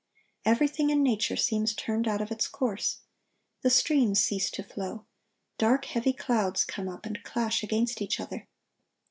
Everything in nature seems turned out of its course. The streams cease to flow. Dark, heavy clouds come up, and clash against each other.